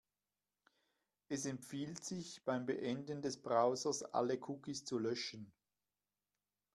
Es empfiehlt sich, beim Beenden des Browsers alle Cookies zu löschen.